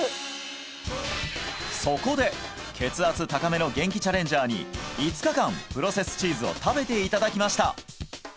そこで血圧高めのゲンキチャレンジャーに５日間プロセスチーズを食べていただきました